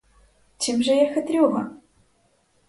Чим же я хитрюга?